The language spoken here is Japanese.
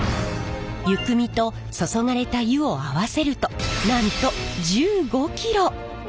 湯汲みと注がれた湯を合わせるとなんと１５ｋｇ！